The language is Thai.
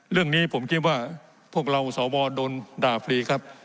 เรื่องนี้ผมคิดว่าพวกเราสวโดนด่าฟรีครับ